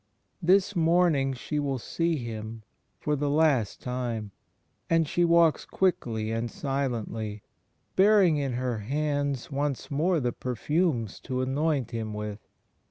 This morning she wiU see Him, for the last time; and she walks quickly and silently, bearing in her hands 12 l62 THE FRIENDSHIP OF CHRIST once more the perfumes to anoint Him with.